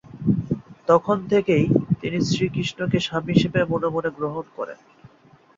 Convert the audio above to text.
তখন থেকেই তিনি শ্রী কৃষ্ণকে স্বামী হিসেবে মনে মনে গ্রহণ করেন।